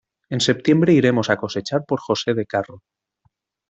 En septiembre iremos a cosechar por José de Carro.